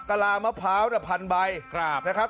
กระลามะพร้าวเนี่ยพันใบนะครับ